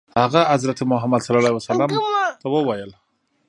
هغه حضرت محمد صلی الله علیه وسلم ته وویل.